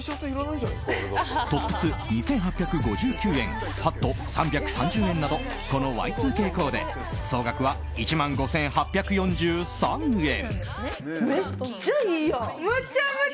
トップス、２８５９円ハット、３３０円などこのＹ２Ｋコーデ総額は１万５８４３円。